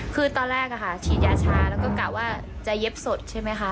คือตอนแรกอ่ะค่ะฉีดยาชาแล้วก็กล่าวว่าจะเย็บสดใช่ไหมค่ะ